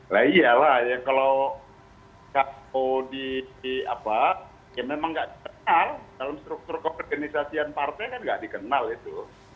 ya iya lah kalau di apa ya memang gak dikenal dalam struktur koorganisasian partai kan gak dikenal itu